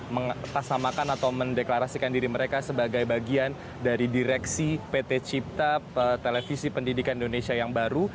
mengatasamakan atau mendeklarasikan diri mereka sebagai bagian dari direksi pt cipta televisi pendidikan indonesia yang baru